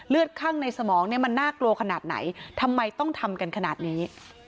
คั่งในสมองเนี่ยมันน่ากลัวขนาดไหนทำไมต้องทำกันขนาดนี้